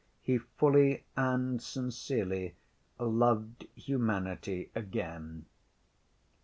He fully and sincerely loved humanity again.